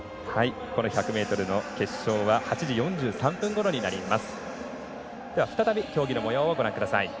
１００ｍの決勝は８時４３分ごろになります。